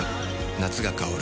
夏が香る